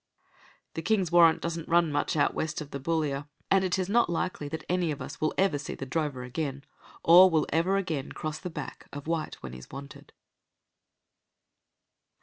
The King's warrant doesn't run much out west of Boulia, and it is not likely that any of us will ever see the drover again, or will ever again cross the back of "White when he's wanted".